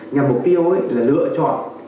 nhằm mục tiêu là lựa chọn